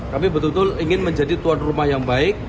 kami betul betul ingin menjadi tuan rumah yang baik